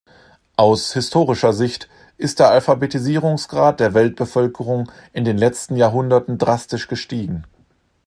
Aus historischer Sicht ist der Alphabetisierungsgrad der Weltbevölkerung in den letzten Jahrhunderten drastisch gestiegen.